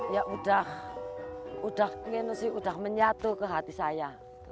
ya udah udah udah menyatu ke hati saya